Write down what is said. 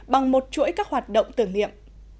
bằng một chuỗi các hoạt động tưởng niệm